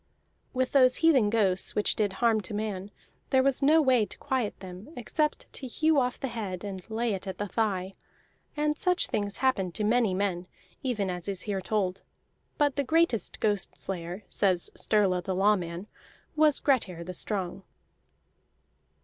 With those heathen ghosts which did harm to man, there was no way to quiet them except to hew off the head and lay it at the thigh. And such things happened to many men, even as is here told; but the greatest ghost layer, says Sturla the Lawman, was Grettir the Strong.